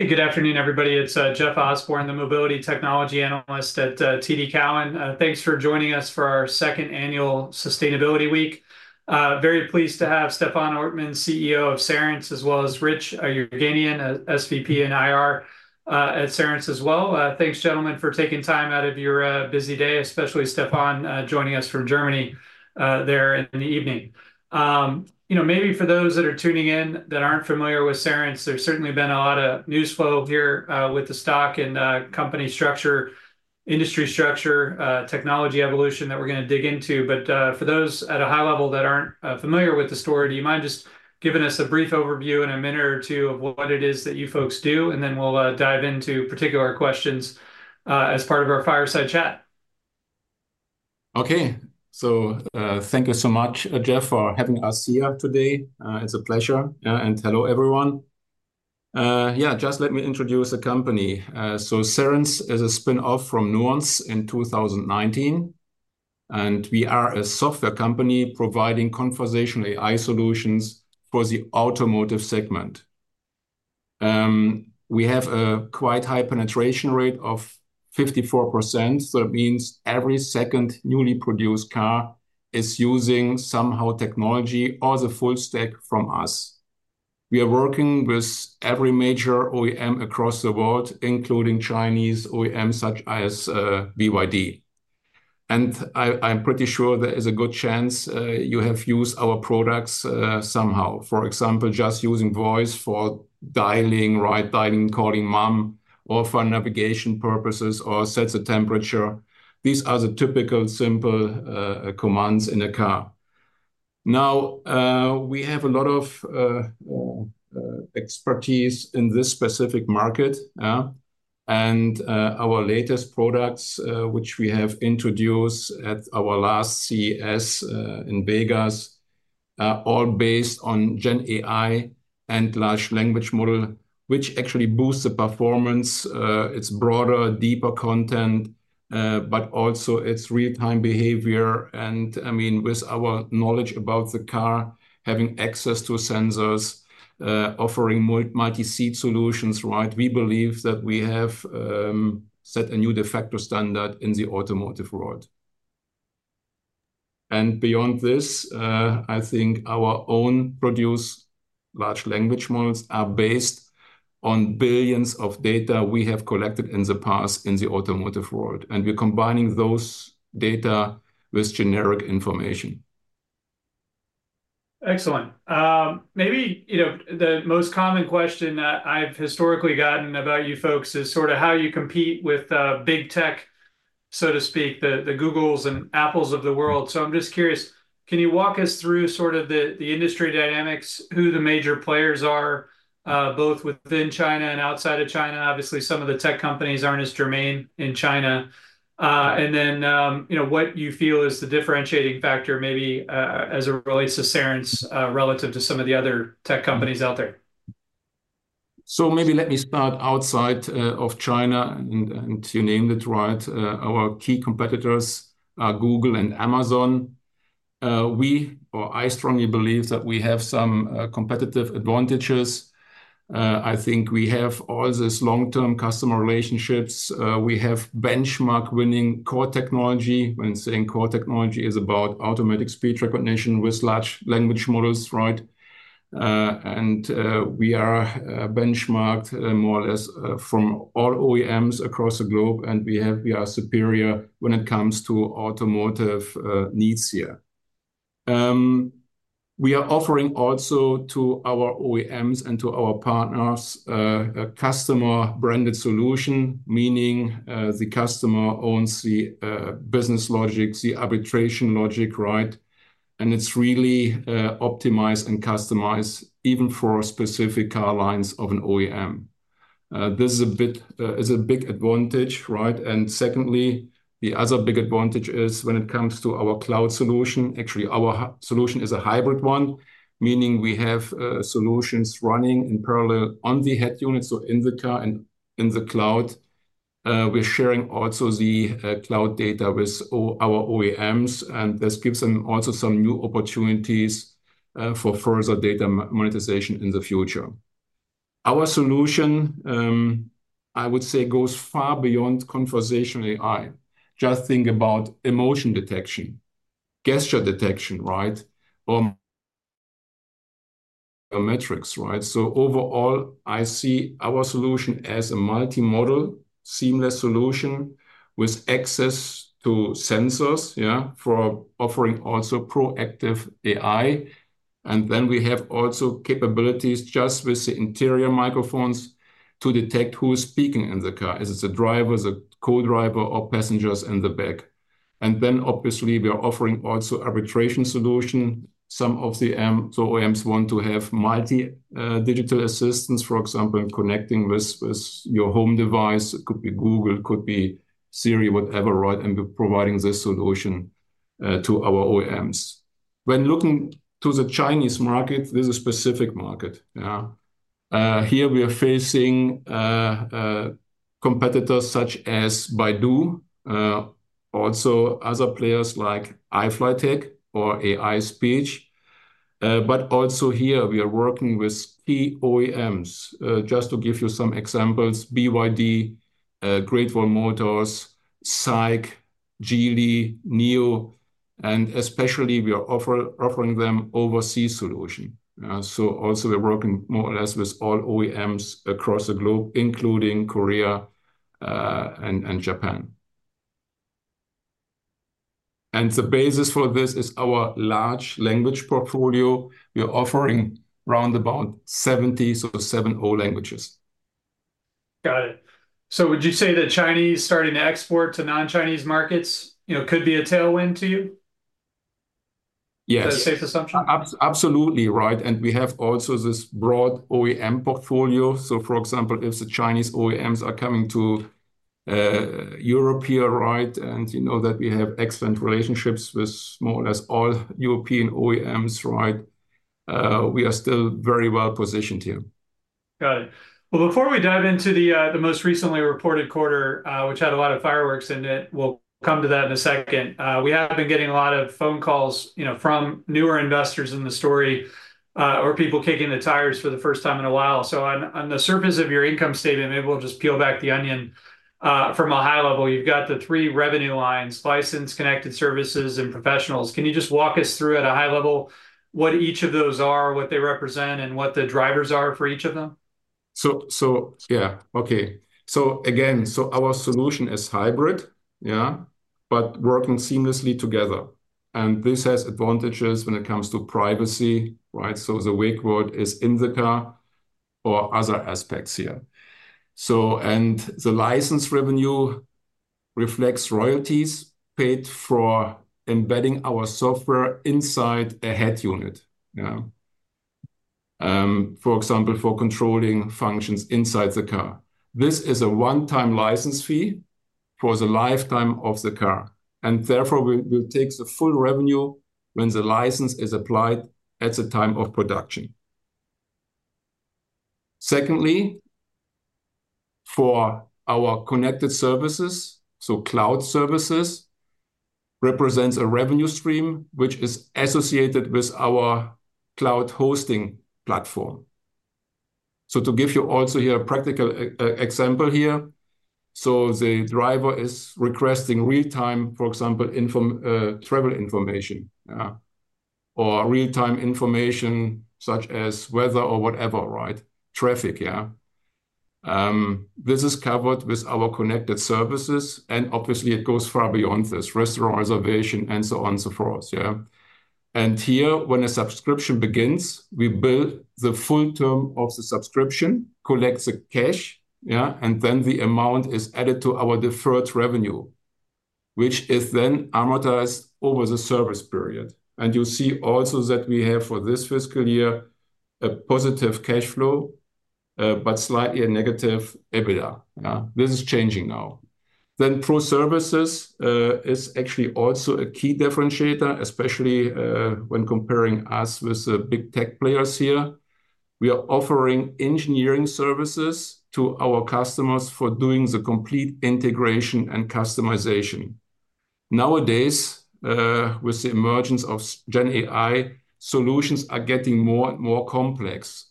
Hey, good afternoon, everybody. It's Jeff Osborne, the Mobility Technology Analyst at TD Cowen. Thanks for joining us for our second annual Sustainability Week. Very pleased to have Stefan Ortmanns, CEO of Cerence, as well as Rich Yerganian, SVP and IR at Cerence as well. Thanks, gentlemen, for taking time out of your busy day, especially Stefan joining us from Germany there in the evening. You know, maybe for those that are tuning in that aren't familiar with Cerence, there's certainly been a lot of news flow here with the stock and company structure, industry structure, technology evolution that we're gonna dig into. But, for those at a high level that aren't familiar with the story, do you mind just giving us a brief overview in a minute or two of what it is that you folks do? And then we'll dive into particular questions as part of our fireside chat. Okay. So, thank you so much, Jeff, for having us here today. It's a pleasure. And hello, everyone. Yeah, just let me introduce the company. So Cerence is a spin-off from Nuance in 2019, and we are a software company providing conversational AI solutions for the automotive segment. We have a quite high penetration rate of 54%, so it means every second newly produced car is using somehow technology or the full stack from us. We are working with every major OEM across the world, including Chinese OEMs, such as BYD. And I'm pretty sure there is a good chance you have used our products somehow. For example, just using voice for dialing, right? Dialing, calling mom, or for navigation purposes, or set the temperature. These are the typical simple commands in a car. Now, we have a lot of expertise in this specific market, and our latest products, which we have introduced at our last CES, in Vegas, are all based on GenAI and large language model, which actually boosts the performance, its broader, deeper content, but also its real-time behavior. And I mean, with our knowledge about the car, having access to sensors, offering multi-seat solutions, right? We believe that we have set a new de facto standard in the automotive world. And beyond this, I think our own produced large language models are based on billions of data we have collected in the past in the automotive world, and we're combining those data with generic information. Excellent. Maybe, you know, the most common question that I've historically gotten about you folks is sort of how you compete with, Big Tech, so to speak, the Googles and Apples of the world. So I'm just curious, can you walk us through sort of the industry dynamics, who the major players are, both within China and outside of China? Obviously, some of the tech companies aren't as germane in China. And then, you know, what you feel is the differentiating factor, maybe, as it relates to Cerence, relative to some of the other tech companies out there. So maybe let me start outside of China, and to name it right, our key competitors are Google and Amazon. We or I strongly believe that we have some competitive advantages. I think we have all these long-term customer relationships. We have benchmark winning core technology. When saying core technology, it's about automatic speech recognition with large language models, right? And we are benchmarked more or less from all OEMs across the globe, and we are superior when it comes to automotive needs here. We are offering also to our OEMs and to our partners a customer-branded solution, meaning the customer owns the business logic, the arbitration logic, right? And it's really optimized and customized even for specific car lines of an OEM. This is a bit is a big advantage, right? And secondly, the other big advantage is when it comes to our cloud solution, actually, our solution is a hybrid one, meaning we have solutions running in parallel on the head unit, so in the car and in the cloud. We're sharing also the cloud data with all our OEMs, and this gives them also some new opportunities for further data monetization in the future. Our solution, I would say, goes far beyond conversational AI. Just think about emotion detection, gesture detection, right? Biometrics, right? So overall, I see our solution as a multimodal, seamless solution with access to sensors, yeah, for offering also proactive AI. And then we have also capabilities just with the interior microphones to detect who's speaking in the car. Is it the driver, the co-driver, or passengers in the back? And then, obviously, we are offering also arbitration solution. Some OEMs want to have multi digital assistants, for example, connecting with your home device. It could be Google, it could be Siri, whatever, right? And we're providing this solution to our OEMs. When looking to the Chinese market, this is a specific market. Here we are facing competitors such as Baidu, also other players like iFLYTEK or iSpeech. But also here we are working with key OEMs. Just to give you some examples, BYD, Great Wall Motor, SAIC, Geely, NIO, and especially we are offering them overseas solution. So also we're working more or less with all OEMs across the globe, including Korea and Japan. The basis for this is our large language portfolio. We are offering around about 70, so seven, oh, languages. Got it. Would you say that Chinese starting to export to non-Chinese markets, you know, could be a tailwind to you? Yes. A safe assumption? Absolutely right, and we have also this broad OEM portfolio. So, for example, if the Chinese OEMs are coming to Europe here, right, and you know that we have excellent relationships with more or less all European OEMs, right? We are still very well positioned here. Got it. Well, before we dive into the most recently reported quarter, which had a lot of fireworks in it, we'll come to that in a second. We have been getting a lot of phone calls, you know, from newer investors in the story, or people kicking the tires for the first time in a while. So on the surface of your income statement, maybe we'll just peel back the onion. From a high level, you've got the three revenue lines: license, connected services, and professionals. Can you just walk us through at a high level what each of those are, what they represent, and what the drivers are for each of them? Our solution is hybrid, yeah, but working seamlessly together, and this has advantages when it comes to privacy, right? So the wake word is in the car or other aspects here. And the license revenue reflects royalties paid for embedding our software inside a head unit, yeah, for example, for controlling functions inside the car. This is a one-time license fee for the lifetime of the car, and therefore we take the full revenue when the license is applied at the time of production. Secondly, for our connected services, cloud services represents a revenue stream, which is associated with our cloud hosting platform. To give you also here a practical example, the driver is requesting real-time, for example, travel information, or real-time information such as weather or whatever, right? Traffic, yeah. This is covered with our connected services, and obviously it goes far beyond this, restaurant reservation and so on and so forth, yeah? And here, when a subscription begins, we bill the full term of the subscription, collect the cash, yeah, and then the amount is added to our deferred revenue, which is then amortized over the service period. And you see also that we have, for this fiscal year, a positive cash flow, but slightly a negative EBITDA. This is changing now. Then pro services is actually also a key differentiator, especially, when comparing us with the Big Tech players here. We are offering engineering services to our customers for doing the complete integration and customization. Nowadays, with the emergence of Gen AI, solutions are getting more and more complex.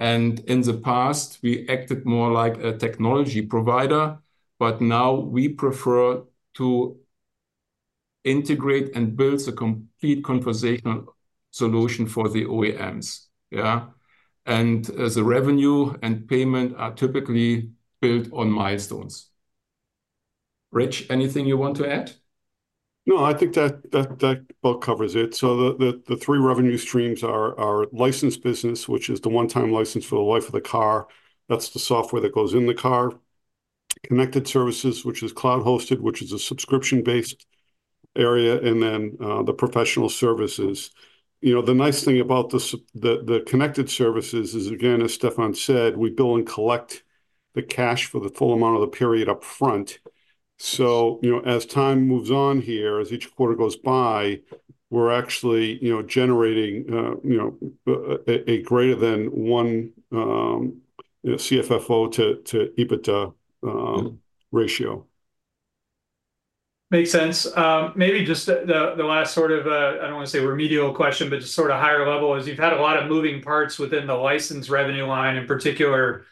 In the past, we acted more like a technology provider, but now we prefer to integrate and build the complete conversational solution for the OEMs, yeah? As the revenue and payment are typically built on milestones. Rich, anything you want to add? No, I think that about covers it. So the three revenue streams are licensed business, which is the one-time license for the life of the car. That's the software that goes in the car. Connected services, which is cloud hosted, which is a subscription-based area, and then the professional services. You know, the nice thing about the connected services is, again, as Stefan said, we bill and collect the cash for the full amount of the period up front. So, you know, as time moves on here, as each quarter goes by, we're actually, you know, generating a greater than one CFFO to EBITDA. Mm-hmm... ratio. Makes sense. Maybe just the last sort of, I don't wanna say remedial question, but just sort of higher level, is you've had a lot of moving parts within the license revenue line, in particular,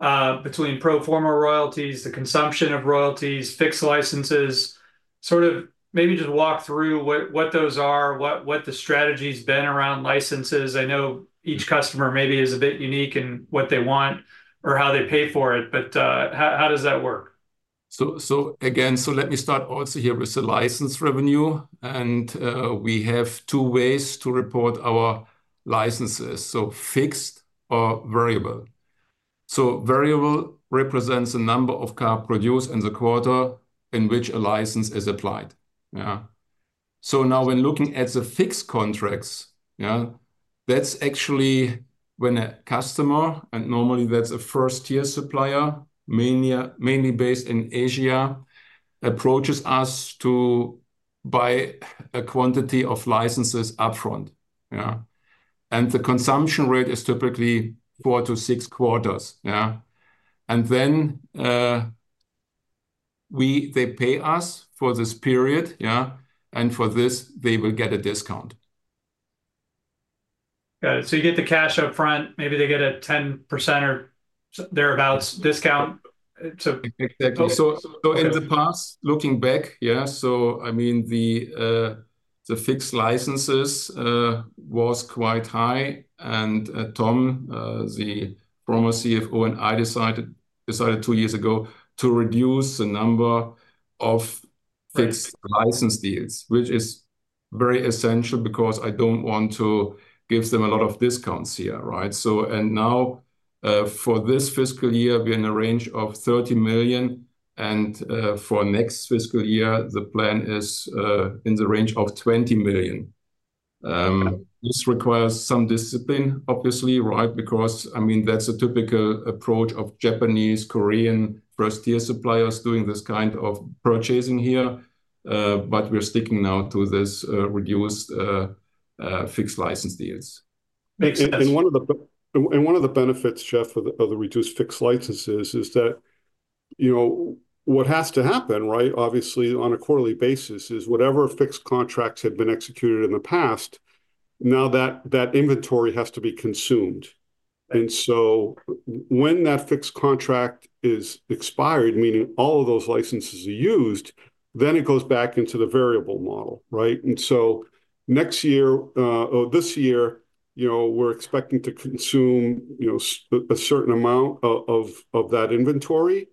between pro forma royalties, the consumption of royalties, fixed licenses. Sort of maybe just walk through what those are, what the strategy's been around licenses. I know each customer maybe is a bit unique in what they want or how they pay for it, but, how does that work? So let me start also here with the license revenue, and we have two ways to report our licenses: so fixed or variable. So variable represents the number of car produced in the quarter in which a license is applied. Yeah. So now when looking at the fixed contracts, yeah, that's actually when a customer, and normally that's a first-tier supplier, mainly, mainly based in Asia, approaches us to buy a quantity of licenses upfront, yeah? And the consumption rate is typically 4-6 quarters, yeah? And then they pay us for this period, yeah, and for this, they will get a discount. Got it. So you get the cash upfront, maybe they get a 10% or thereabouts discount, so- Exactly. So in the past, looking back, yeah, so I mean, the fixed licenses was quite high. And Tom, the former CFO, and I decided two years ago to reduce the number of fixed- Right license deals, which is very essential, because I don't want to give them a lot of discounts here, right? So, and now, for this fiscal year, we're in a range of $30 million, and, for next fiscal year, the plan is, in the range of $20 million. This requires some discipline, obviously, right? Because, I mean, that's a typical approach of Japanese, Korean first-tier suppliers doing this kind of purchasing here. But we're sticking now to this, reduced, fixed license deals. Makes sense. One of the benefits, Jeff, of the reduced fixed licenses is that, you know, what has to happen, right, on a quarterly basis, is whatever fixed contracts had been executed in the past, now that inventory has to be consumed. And so when that fixed contract is expired, meaning all of those licenses are used, then it goes back into the variable model, right? And so next year or this year, you know, we're expecting to consume a certain amount of that inventory.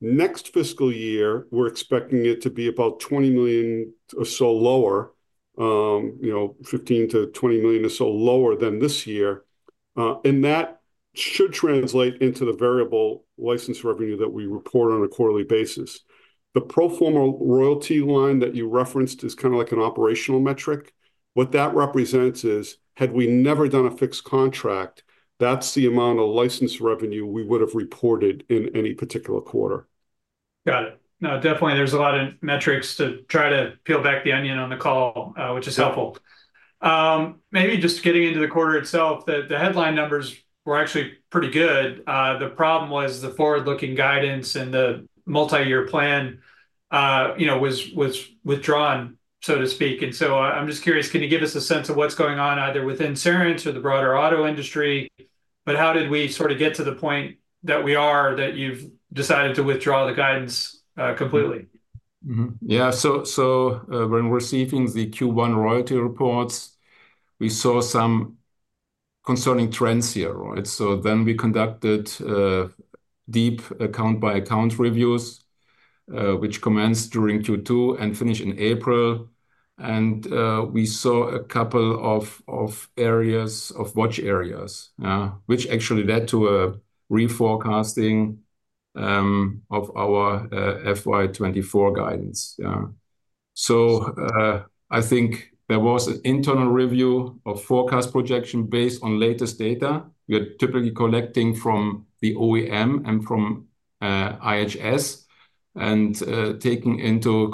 Next fiscal year, we're expecting it to be about $20 million or so lower, you know, $15 million-$20 million or so lower than this year. And that should translate into the variable license revenue that we report on a quarterly basis. The pro forma royalty line that you referenced is kinda like an operational metric. What that represents is, had we never done a fixed contract, that's the amount of license revenue we would've reported in any particular quarter. Got it. No, definitely there's a lot of metrics to try to peel back the onion on the call, which is helpful. Maybe just getting into the quarter itself, the headline numbers were actually pretty good. The problem was the forward-looking guidance and the multi-year plan, you know, was withdrawn, so to speak. And so I'm just curious, can you give us a sense of what's going on, either within Cerence or the broader auto industry? But how did we sorta get to the point that we are, that you've decided to withdraw the guidance, completely? Mm-hmm. Yeah, when receiving the Q1 royalty reports, we saw some concerning trends here, right? Then we conducted deep account-by-account reviews, which commenced during Q2 and finished in April. We saw a couple of areas to watch, which actually led to a reforecasting of our FY 2024 guidance. I think there was an internal review of forecast projection based on latest data. We are typically collecting from the OEM and from IHS, and taking into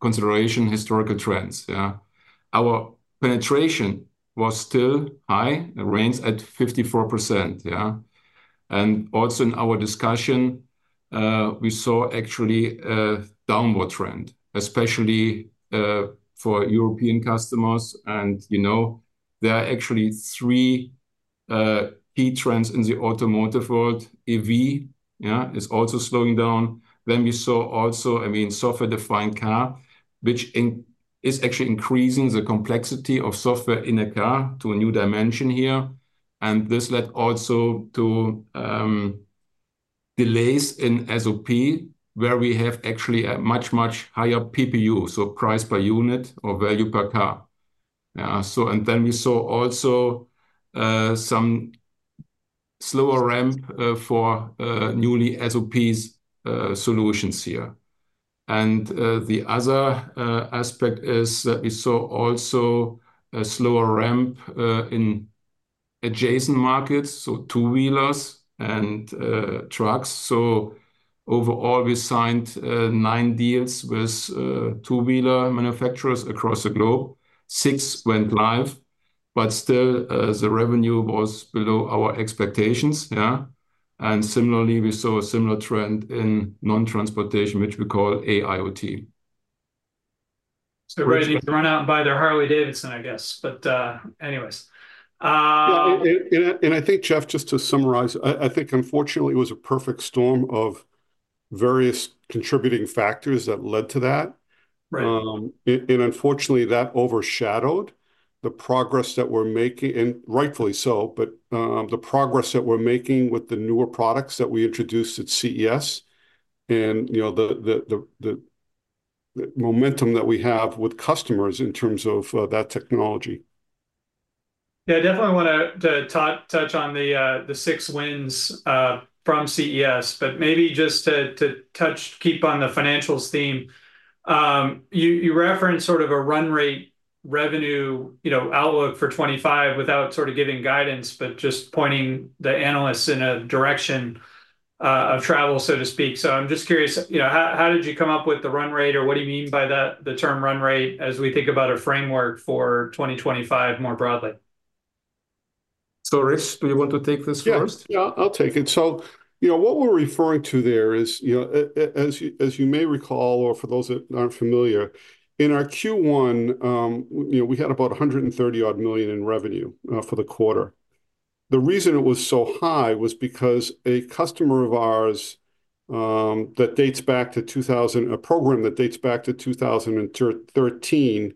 consideration historical trends. Yeah. Our penetration was still high, it remains at 54%, yeah? Also in our discussion, we saw actually a downward trend, especially for European customers. You know, there are actually three key trends in the automotive world. EV is also slowing down. Then we saw also, I mean, software-defined car, which is actually increasing the complexity of software in a car to a new dimension here. And this led also to delays in SOP, where we have actually a much, much higher PPU, so price per unit or value per car. So and then we saw also some slower ramp for newly SOP'd solutions here. And the other aspect is that we saw also a slower ramp in adjacent markets, so two-wheelers and trucks. So overall, we signed nine deals with two-wheeler manufacturers across the globe. Six went live, but still the revenue was below our expectations, yeah? And similarly, we saw a similar trend in non-transportation, which we call AIoT. So everybody needs to run out and buy their Harley-Davidson, I guess, but, anyways. Yeah, I think, Jeff, just to summarize, I think unfortunately it was a perfect storm of various contributing factors that led to that. Right. Unfortunately, that overshadowed the progress that we're making, and rightfully so, but the progress that we're making with the newer products that we introduced at CES and, you know, the momentum that we have with customers in terms of that technology. Yeah, I definitely wanna touch on the six wins from CES, but maybe just to touch, keep on the financials theme. You referenced sort of a run rate revenue, you know, outlook for 2025 without sort of giving guidance, but just pointing the analysts in a direction of travel, so to speak. So I'm just curious, you know, how did you come up with the run rate, or what do you mean by that, the term run rate, as we think about a framework for 2025 more broadly? So, Rich, do you want to take this first? Yeah. Yeah, I'll take it. So, you know, what we're referring to there is, you know, as you, as you may recall, or for those that aren't familiar, in our Q1, you know, we had about $130 million in revenue for the quarter. The reason it was so high was because a customer of ours, that dates back to 2000, a program that dates back to 2013,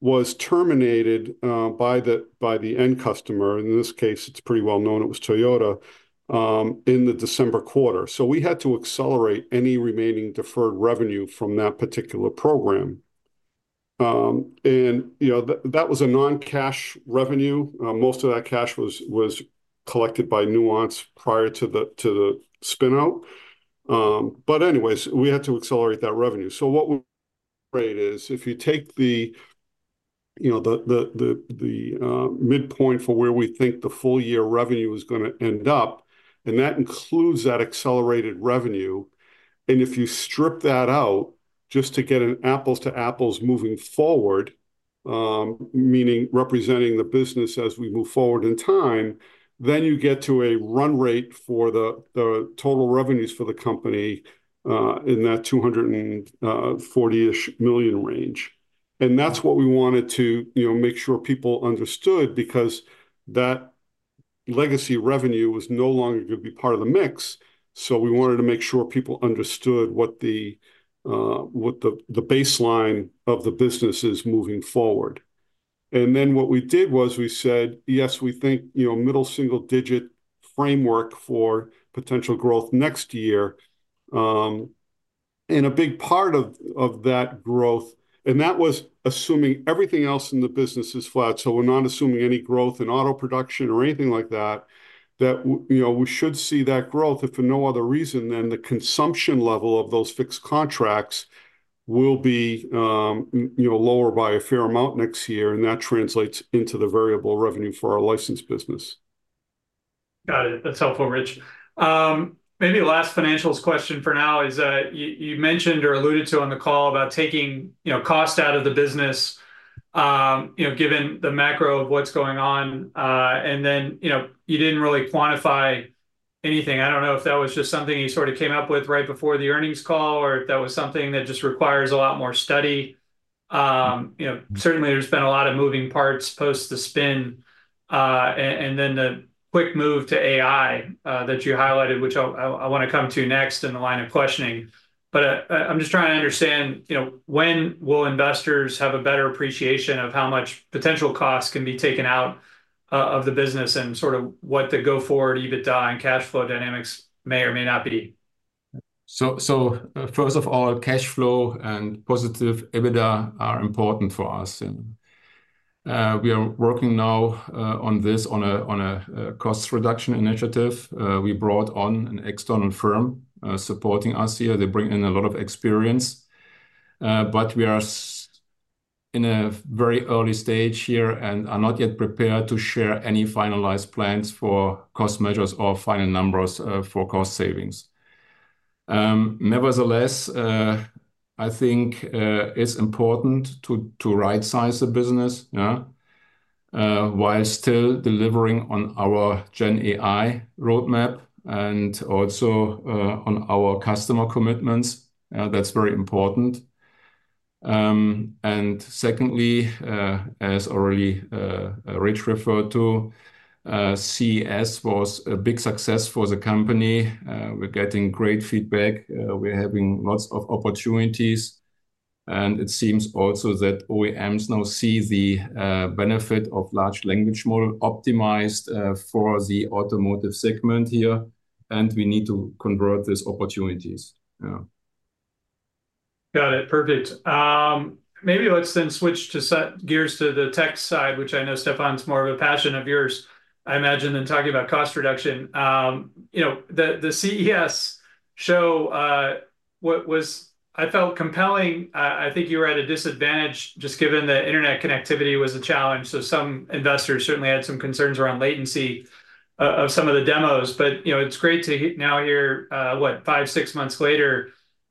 was terminated by the end customer, in this case, it's pretty well known it was Toyota, in the December quarter. So we had to accelerate any remaining deferred revenue from that particular program. And, you know, that was a non-cash revenue. Most of that cash was collected by Nuance prior to the spin-out. But anyways, we had to accelerate that revenue. So what we... rate is, if you take the, you know, the midpoint for where we think the full year revenue is gonna end up, and that includes that accelerated revenue, and if you strip that out just to get an apples to apples moving forward, meaning representing the business as we move forward in time, then you get to a run rate for the total revenues for the company, in that $240-ish million range. And that's what we wanted to, you know, make sure people understood, because that legacy revenue was no longer gonna be part of the mix. So we wanted to make sure people understood what the baseline of the business is moving forward. And then what we did was we said, "Yes, we think, you know, middle single digit framework for potential growth next year." And a big part of that growth-- And that was assuming everything else in the business is flat, so we're not assuming any growth in auto production or anything like that, that you know, we should see that growth, if for no other reason, then the consumption level of those fixed contracts will be, you know, lower by a fair amount next year, and that translates into the variable revenue for our licensed business. Got it. That's helpful, Rich. Maybe the last financials question for now is, you, you mentioned or alluded to on the call about taking, you know, cost out of the business, you know, given the macro of what's going on. And then, you know, you didn't really quantify anything. I don't know if that was just something you sort of came up with right before the earnings call, or if that was something that just requires a lot more study. You know, certainly there's been a lot of moving parts post the spin, and then the quick move to AI, that you highlighted, which I'll... I, I wanna come to next in the line of questioning. I'm just trying to understand, you know, when will investors have a better appreciation of how much potential costs can be taken out of the business, and sort of what the go-forward EBITDA and cash flow dynamics may or may not be? So, first of all, cash flow and positive EBITDA are important for us, and we are working now on a cost reduction initiative. We brought on an external firm supporting us here. They bring in a lot of experience. But we are in a very early stage here and are not yet prepared to share any finalized plans for cost measures or final numbers for cost savings. Nevertheless, I think it's important to right-size the business, yeah, while still delivering on our Gen AI roadmap and also on our customer commitments. That's very important. And secondly, as already Rich referred to, CES was a big success for the company. We're getting great feedback. We're having lots of opportunities, and it seems also that OEMs now see the benefit of large language model optimized for the automotive segment here, and we need to convert these opportunities. Yeah. Got it. Perfect. Maybe let's then switch to shift gears to the tech side, which I know, Stefan, it's more of a passion of yours, I imagine, than talking about cost reduction. You know, the CES show what was, I felt, compelling. I think you were at a disadvantage, just given that internet connectivity was a challenge, so some investors certainly had some concerns around latency of some of the demos. But, you know, it's great to now hear what, 5, 6 months later,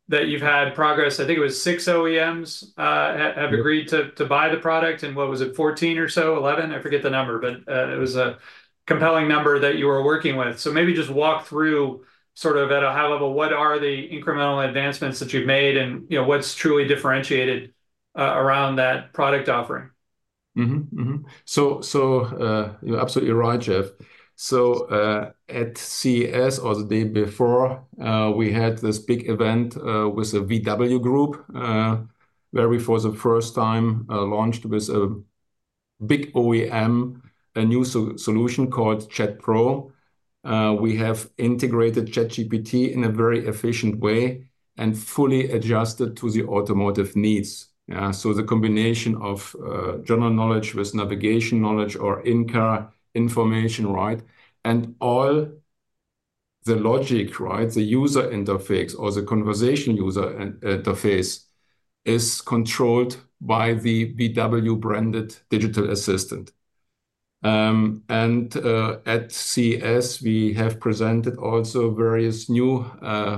that you've had progress. I think it was 6 OEMs, ha- Mm-hmm... have agreed to buy the product. And what was it? 14 or so, 11? I forget the number, but it was a compelling number that you were working with. So maybe just walk through sort of at a high level, what are the incremental advancements that you've made and, you know, what's truly differentiated around that product offering? Mm-hmm. Mm-hmm. So, you're absolutely right, Jeff. At CES, or the day before, we had this big event with the VW Group, where we, for the first time, launched with a big OEM, a new solution called Chat Pro. We have integrated ChatGPT in a very efficient way and fully adjusted to the automotive needs. So the combination of general knowledge with navigation knowledge or in-car information, right? And all the logic, right? The user interface or the conversation user interface is controlled by the VW-branded digital assistant. And at CES, we have presented also various new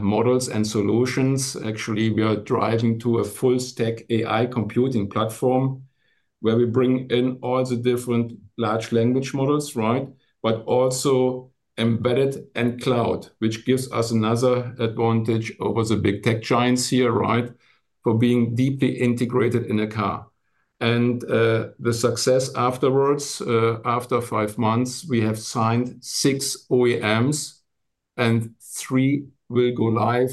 models and solutions. Actually, we are driving to a full stack AI computing platform, where we bring in all the different large language models, right? But also embedded and cloud, which gives us another advantage over the Big Tech giants here, right, for being deeply integrated in a car. And the success afterwards, after 5 months, we have signed 6 OEMs, and 3 will go live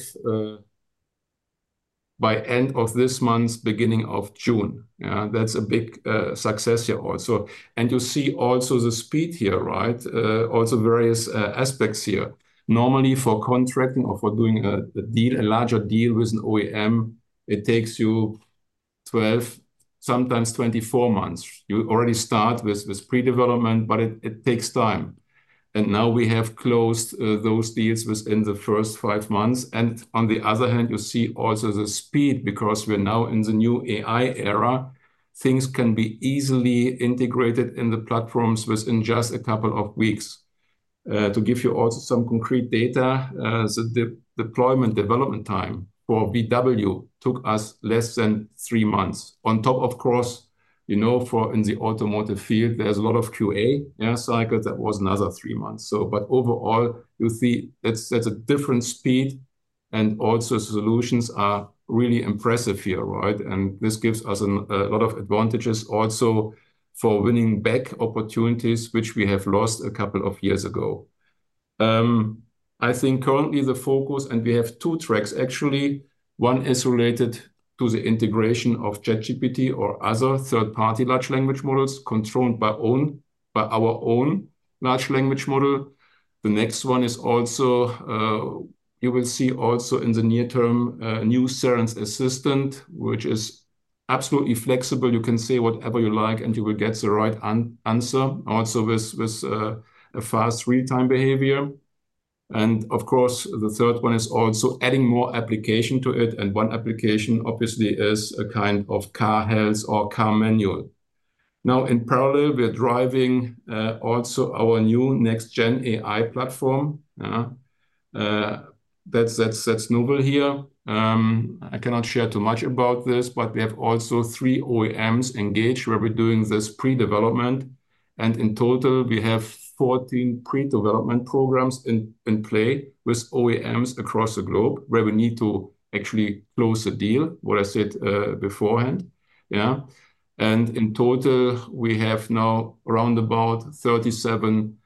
by end of this month, beginning of June. That's a big success here also. And you see also the speed here, right? Also various aspects here. Normally, for contracting or for doing a deal, a larger deal with an OEM, it takes you 12, sometimes 24 months. You already start with this pre-development, but it takes time. And now we have closed those deals within the first 5 months, and on the other hand, you see also the speed, because we're now in the new AI era. Things can be easily integrated in the platforms within just a couple of weeks. To give you also some concrete data, the deployment development time for VW took us less than three months. On top, of course, you know, for in the automotive field, there's a lot of QA, cycle. That was another three months. So but overall, you see that's, that's a different speed, and also solutions are really impressive here, right? And this gives us a lot of advantages also for winning back opportunities which we have lost a couple of years ago. I think currently the focus, and we have two tracks actually. One is related to the integration of ChatGPT or other third-party large language models, controlled by our own large language model. The next one is also, you will see also in the near term, a new Cerence Assistant, which is absolutely flexible. You can say whatever you like, and you will get the right answer, also with a fast real-time behavior. And of course, the third one is also adding more application to it, and one application obviously is a kind of car health or car manual. Now, in parallel, we're driving also our new next Gen AI platform, that's novel here. I cannot share too much about this, but we have also three OEMs engaged, where we're doing this pre-development, and in total, we have 14 pre-development programs in play with OEMs across the globe, where we need to actually close the deal, what I said, beforehand, yeah? In total, we have now around about 37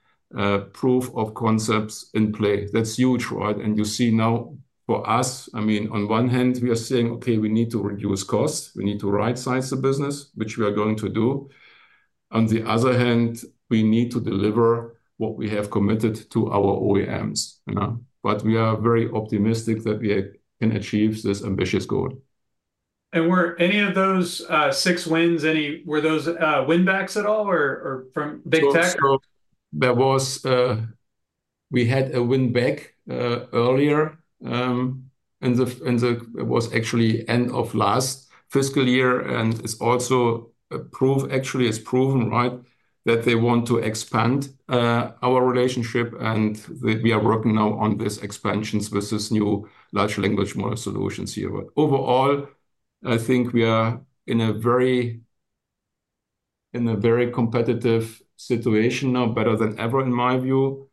proof of concepts in play. That's huge, right? You see now for us, I mean, on one hand, we are saying, "Okay, we need to reduce costs. We need to rightsize the business," which we are going to do. On the other hand, we need to deliver what we have committed to our OEMs, you know? We are very optimistic that we can achieve this ambitious goal. Were any of those six wins win-backs at all or from Big Tech? So there was, we had a win back earlier. It was actually end of last fiscal year, and it's also proven, right, that they want to expand our relationship and that we are working now on these expansions with these new large language model solutions here. But overall, I think we are in a very competitive situation now, better than ever, in my view.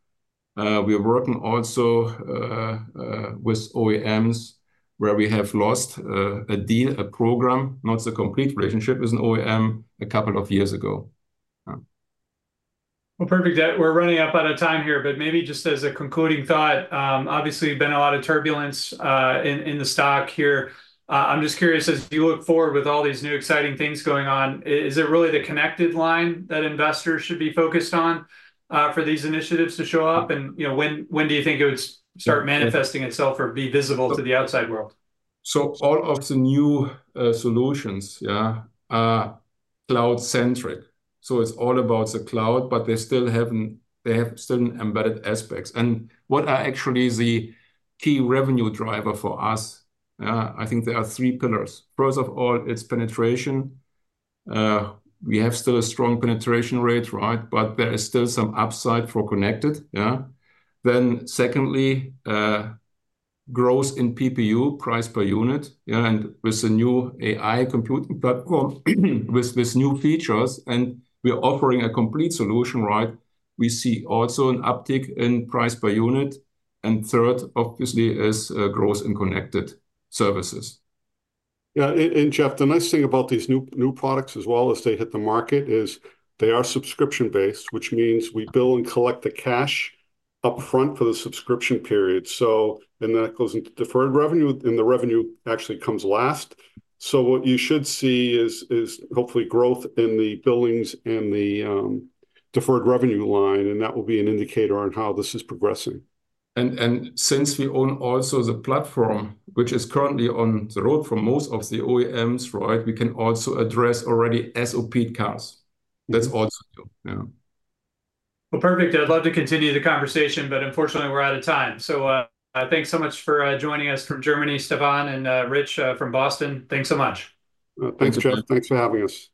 We are working also with OEMs, where we have lost a deal, a program, not the complete relationship with an OEM a couple of years ago. Well, perfect. We're running out of time here, but maybe just as a concluding thought, obviously, been a lot of turbulence in the stock here. I'm just curious, as you look forward with all these new exciting things going on, is it really the connected line that investors should be focused on for these initiatives to show up? And, you know, when do you think it would start manifesting itself or be visible to the outside world? So all of the new solutions are cloud-centric. So it's all about the cloud, but they still have certain embedded aspects. And what are actually the key revenue driver for us, I think there are three pillars. First of all, it's penetration. We have still a strong penetration rate, right? But there is still some upside for connected. Then secondly, growth in PPU, price per unit, and with the new AI computing platform, with new features, and we are offering a complete solution, right? We see also an uptick in price per unit, and third, obviously, is growth in connected services. Yeah, and Jeff, the nice thing about these new, new products as well, as they hit the market, is they are subscription-based, which means we bill and collect the cash upfront for the subscription period. So that goes into deferred revenue, and the revenue actually comes last. So what you should see is hopefully growth in the billings and the deferred revenue line, and that will be an indicator on how this is progressing. Since we own also the platform, which is currently on the road for most of the OEMs, right, we can also address already SOP cars. That's also new, yeah. Well, perfect. I'd love to continue the conversation, but unfortunately, we're out of time. So, thanks so much for joining us from Germany, Stefan, and Rich, from Boston, thanks so much. Thanks, Jeff. Thanks for having us.